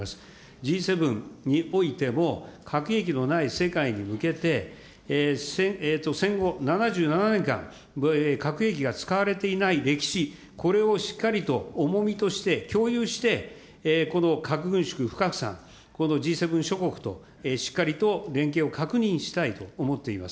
Ｇ７においても、核兵器のない世界に向けて、戦後７７年間、核兵器が使われていない歴史、これをしっかりと重みとして共有して、この核軍縮、不拡散、このＧ７諸国としっかりと連携を確認したいと思っています。